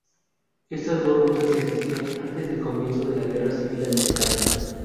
Estas dos rutas existían antes del comienzo de la Guerra Civil Americana.